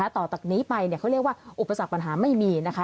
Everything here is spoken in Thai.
ต่อจากนี้ไปเขาเรียกว่าอุปสรรคปัญหาไม่มีนะคะ